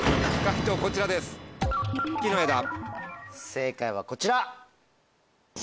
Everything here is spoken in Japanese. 正解はこちら。